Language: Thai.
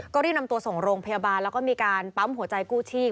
ก็รีบนำตัวส่งโรงพยาบาลแล้วก็มีการปั๊มหัวใจกู้ชีพ